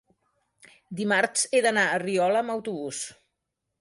Dimarts he d'anar a Riola amb autobús.